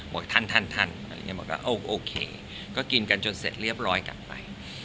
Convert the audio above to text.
บอกทันบอกว่าโอเคก็กินกันจนเสร็จเรียบร้อยกลับไป